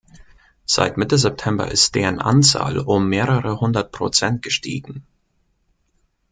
Seit Mitte September ist deren Anzahl um mehrere hundert Prozent gestiegen.